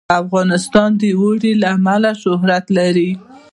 افغانستان د اوړي له امله شهرت لري.